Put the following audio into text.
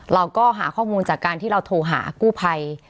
เราก็หาข้อมูลจากการที่เราโทรหากู้ภัย